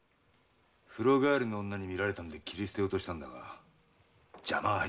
風呂帰りの女に見られたので斬り捨てようとしたが邪魔が入った。